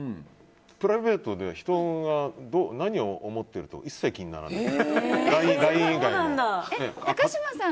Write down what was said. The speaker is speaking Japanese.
プライベートで人が何を思っているとか一切気にならない。